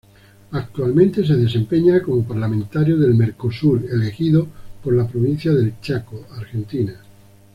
Actualmente se desempeña como Parlamentario del Mercosur elegido por la Provincia del Chaco, Argentina.